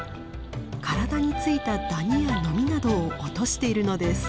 体についたダニやノミなどを落としているのです。